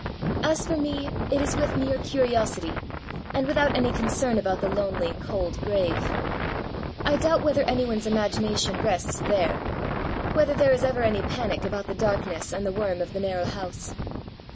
As for me, it is with mere curiosity, and without any concern 114 B88ATS. about the lonely^ cold grave. I doubt whether any one's imagination rests there^ — ^whether there is ever any panic about the darkness and the worm of the narrow house.